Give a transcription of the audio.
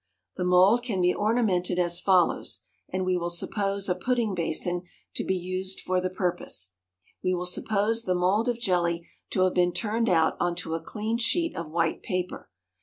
The mould can be ornamented as follows, and we will suppose a pudding basin to be used for the purpose. We will suppose the mould of jelly to have been turned out on to a clean sheet of white paper.